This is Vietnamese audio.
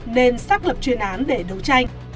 nên xác lập chuyên án để đấu tranh